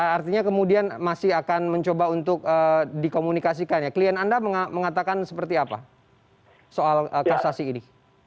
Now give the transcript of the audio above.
artinya kemudian masih akan mencoba untuk dikomunikasikan ya klien anda mengatakan seperti apa soal kasasi ini